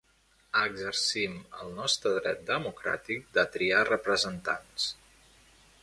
Exercim el nostre dret democràtic de triar representants.